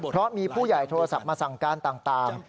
เพราะมีผู้ใหญ่โทรศัพท์มาสั่งการต่าง